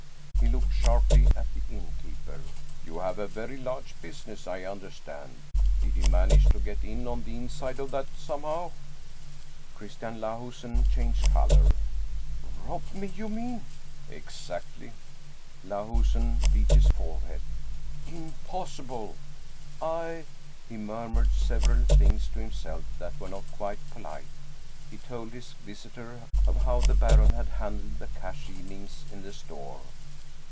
He looked sharply at the innkeeper. " You have a very large business, I understand. Did he manage to get in on the inside of that somehow ?" Christian Lahusen changed color. " Robbed me, you mean ?"" Exactly." Lahusen beat his forehead. " Impossible ! I " he mur mured several things to himself that were not quite polite. He told his visitor of how the Baron had handled the cash evenings in the store.